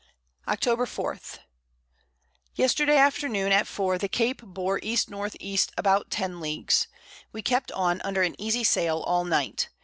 Octob. 4. Yesterday Afternoon, at 4, the Cape bore E. N. E. about 10 Leagues. We kept on under an easy Sail all Night.